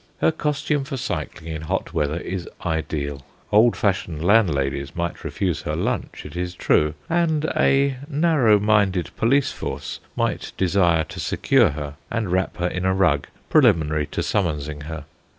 Her costume for cycling in hot weather is ideal. Old fashioned landladies might refuse her lunch, it is true; and a narrowminded police force might desire to secure her, and wrap her in a rug preliminary to summonsing her.